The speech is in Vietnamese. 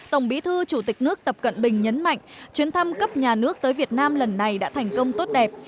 tổng bí thư chủ tịch nước tập cận bình nhấn mạnh chuyến thăm cấp nhà nước tới việt nam lần này đã thành công tốt đẹp